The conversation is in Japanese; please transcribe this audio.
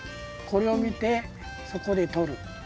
これを見てそこでとる。